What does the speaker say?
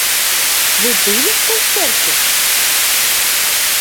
Вы были в концерте?